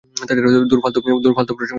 ধুর ফালতু প্রশংসা করিস না তো।